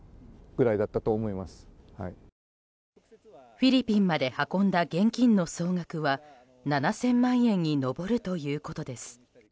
フィリピンまで運んだ現金の総額は７０００万円に上るということです。